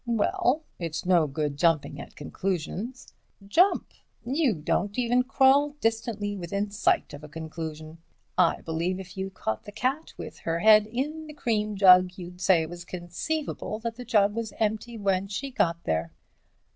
"Well, it's no good jumping at conclusions." "Jump? You don't even crawl distantly within sight of a conclusion. I believe if you caught the cat with her head in the cream jug you'd say it was conceivable that the jug was empty when she got there."